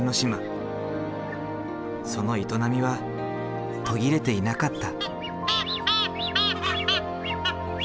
その営みは途切れていなかった。